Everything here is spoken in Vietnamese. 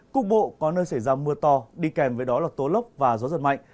cục bộ có nơi xảy ra mưa to đi kèm với đó là tố lốc và gió giật mạnh